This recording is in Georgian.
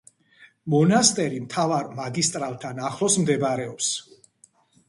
მონასტერი მთავარი მაგისტრალთან ახლოს მდებარეობს.